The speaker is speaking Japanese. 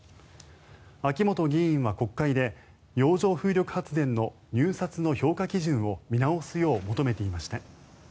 秋本議員は国会で洋上風力発電の入札の評価基準を見直すよう求めていました。